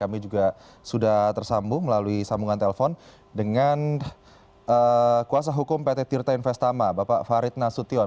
kami juga sudah tersambung melalui sambungan telepon dengan kuasa hukum pt tirta investama bapak farid nasution